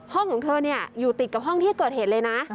ของเธออยู่ติดกับห้องที่เกิดเหตุเลยนะ